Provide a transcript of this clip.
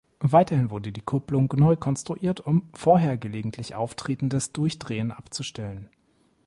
Weiterhin wurde die Kupplung neu konstruiert, um vorher gelegentlich auftretendes Durchdrehen abzustellen.